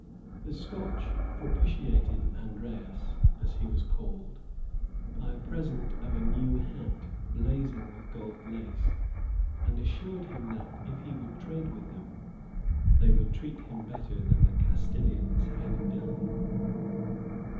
The Scotch propitiated Andreas, as he was called, by a present of a new hat blazing with gold lace, and assured him that, if he would trade with them, they would treat him better than the Castilians had done.